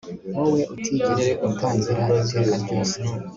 wowe utigeze utangira iteka ryose